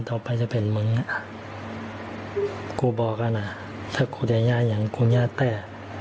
ถ้ากูได้ย่าอย่างกูย่าแต้